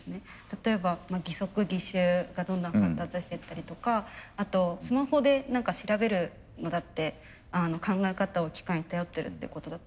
例えば義足義手がどんどん発達してったりとかあとスマホで何か調べるのだって考え方を機械に頼ってるってことだと思うんですね。